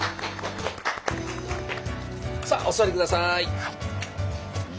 さあお座り下さい。